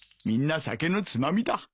みんな酒のつまみだ。